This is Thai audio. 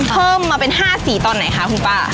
เพิ่มมาเป็น๕สีตอนไหนคะคุณป้า